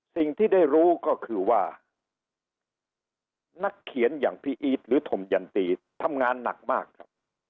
สิ่งที่ได้รู้ก็คือว่านักเขียนอย่างพี่อีทหรือธมยันตีทำงานหนักมากครับ